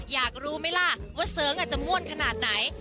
อยากรู้ไหมล่ะว่าเสริงอาจจะม่วนขนาดไหน